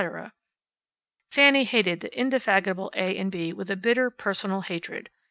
Fanny hated the indefatigable A and B with a bitter personal hatred.